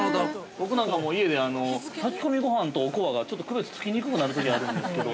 僕なんか家で炊き込みごはんとおこわがちょっと区別つきにくくなるときがあるんですけど。